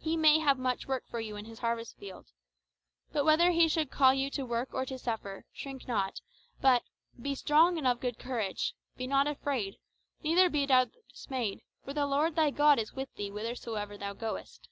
He may have much work for you in his harvest field. But whether he should call you to work or to suffer, shrink not, but 'be strong and of good courage; be not afraid, neither be thou dismayed; for the Lord thy God is with thee whithersoever thou goest.